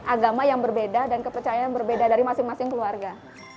agama yang berbeda dan kepercayaan berbeda dari masing masing keluarga